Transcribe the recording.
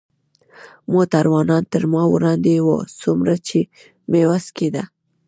موټروانان تر ما وړاندې و، څومره چې مې وس کېده.